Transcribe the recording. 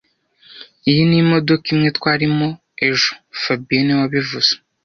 Iyi ni imodoka imwe twarimo ejo fabien niwe wabivuze